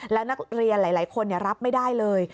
แล้วนักเรียนหลายคนรับไม่ได้เลย